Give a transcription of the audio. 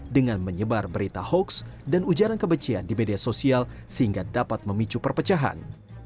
dengan menyebar berita hoaks dan ujaran kebencian di media sosial sehingga dapat memicu perpecahan